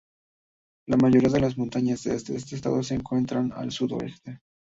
La mayoría de las montañas de este estado se encuentran al sudoeste.